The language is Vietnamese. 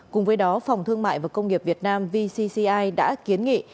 cùng với đó phòng thương mại và công nghiệp việt nam vcci đã kiến nghị